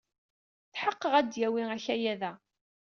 Tḥeqqeɣ ad d-yawey akayad-a.